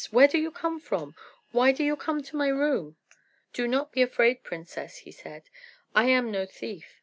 "Where do you come from? Why do you come to my room?" "Do not be afraid, princess," he said; "I am no thief.